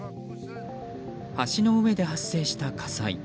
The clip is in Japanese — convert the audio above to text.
橋の上で発生した火災。